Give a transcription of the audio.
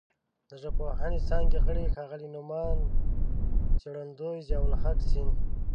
د ژبپوهنې څانګې غړي ښاغلي نوماند څېړندوی ضیاءالحق سیند